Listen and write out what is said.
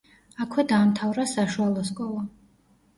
აქვე დაამთავრა საშუალო სკოლა.